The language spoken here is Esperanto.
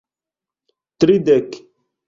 tridek